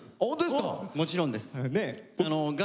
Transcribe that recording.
もちろんです。